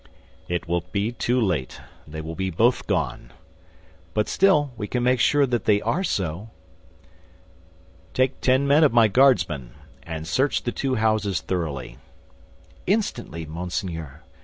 "It will be too late; they will be gone." "But still, we can make sure that they are so." "Take ten men of my Guardsmen, and search the two houses thoroughly." "Instantly, monseigneur."